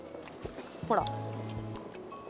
ほら。